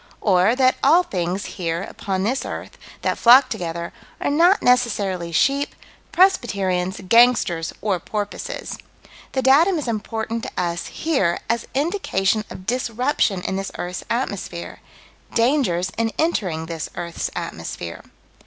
Or that all things, here, upon this earth, that flock together, are not necessarily sheep, Presbyterians, gangsters, or porpoises. The datum is important to us, here, as indication of disruption in this earth's atmosphere dangers in entering this earth's atmosphere.